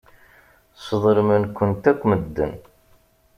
Sḍelmen-kent akk medden.